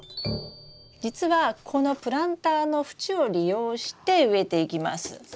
実はこのプランターの縁を利用して植えていきます。